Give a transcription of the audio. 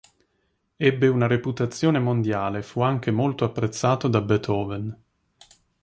Ebbe una reputazione mondiale e fu anche molto apprezzato da Beethoven.